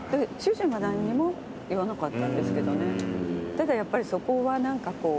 ただやっぱりそこは何かこう。